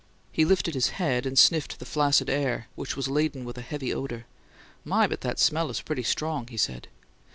He lifted his head and sniffed the flaccid air, which was laden with a heavy odour. "My, but that smell is pretty strong!" he said.